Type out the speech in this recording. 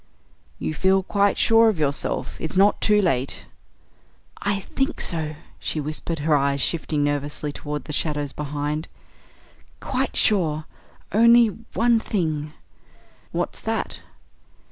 "You feel quite sure of yourself? It's not too late " "I think so," she whispered, her eyes shifting nervously toward the shadows behind. "Quite sure, only one thing " "What's that?"